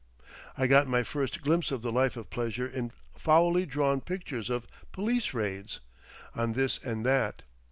I got my first glimpse of the life of pleasure in foully drawn pictures of "police raids" on this and that.